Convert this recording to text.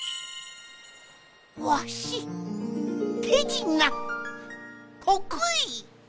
わしてじなとくい！